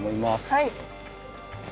はい。